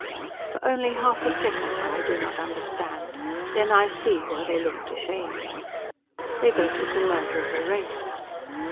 For only half a second I do not understand; then I see why they looked ashamed. They voted the murder of a race.